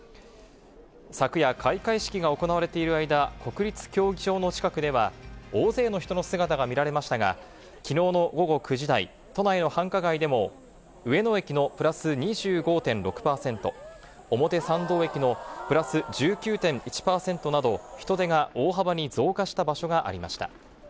昨夜、開会式が行われている間、国立競技場の近くでは、大勢の人の姿が見られましたが、きのうの午後９時台、都内の繁華街でも、上野駅のプラス２５．６％、表参道駅のプラス１９．１％など、人出が大幅に増加した場所がありました。